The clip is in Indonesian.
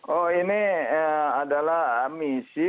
oh ini adalah misi